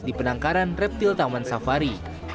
di penangkaran reptil taman safari